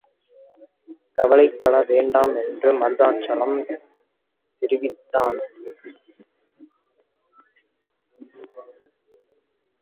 கவலைப்பட வேண்டாம் என்று மருதாசலம் தெரிவித்தான்.